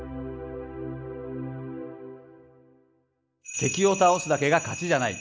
敵を倒すだけが勝ちじゃない。